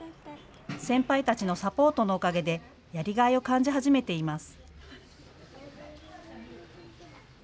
先輩たちのサポートのおかげでやりがいを感じ始めています。